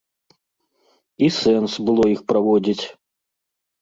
І сэнс было іх праводзіць?